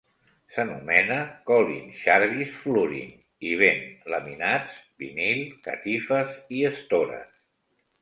S'anomena Colin Charvis Flooring i ven laminats, vinil, catifes i estores.